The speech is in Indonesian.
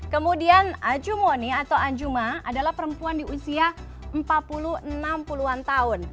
kemudian ajumoni atau ajuma adalah perempuan di usia empat puluh enam puluh an tahun